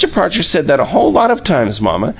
Parcher said that a whole lot of times, mamma.